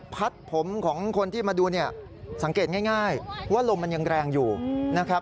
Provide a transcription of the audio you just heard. พัดผมของคนที่มาดูเนี่ยสังเกตง่ายว่าลมมันยังแรงอยู่นะครับ